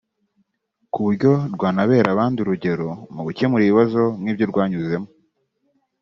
ku buryo rwanabera abandi urugero mu gukemura ibibazo nk’ibyo rwanyuzemo